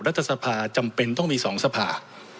รัฐธรรมนูญจำเป็นต้องมีสองสภา